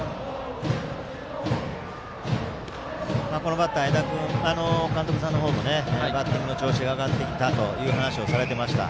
バッターの江田君は監督さんもバッティングの調子が上がってきたという話をされていました。